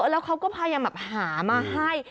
แล้วเขาก็พยายามหามาให้